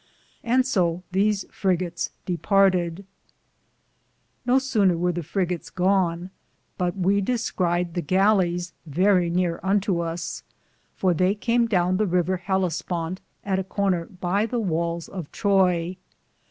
And so these friggotes departede. No souner weare the frigotes gone but we discried the galHes verrie neare unto us, for theye cam downe the rever Hellisponte, at a corner by the wales of Troye.